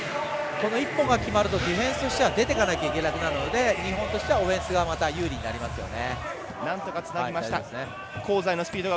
この１本が決まるとディフェンスとしては出ていかなければいけなくなるので日本としてはオフェンスが有利になりますね。